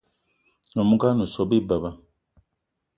Nyom ngón o so bi beba.